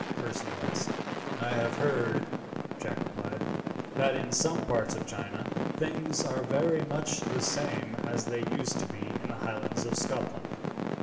Percy asked. "I have heard," Jack replied, "that in some parts of China things are very much the same as they used to be in the Highlands of Scotland.